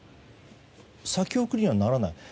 先送りにはならない。